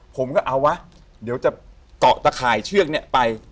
ผมก็เอาวะเดี๋ยวจะเกาะตะข่ายเชือกเนี่ยไป